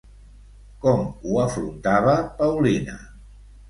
Com ho afrontava Paulina?